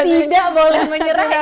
tidak boleh menyerah ini